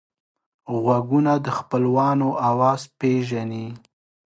غوږونه د خپلوانو آواز پېژني